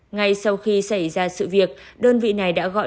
ngay sau khi xảy ra sự việc đơn vị này đã gọi